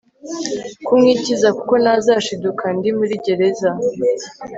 kumwikiza kuko nazashiduka ndi muri gereza